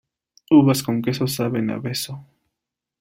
Uvas con queso saben a beso.